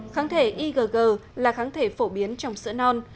kháng thể igg là kháng thể phổ biến trong sữa non